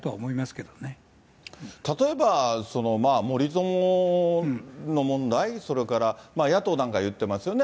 例えば、森友の問題、それから野党なんか言ってますよね。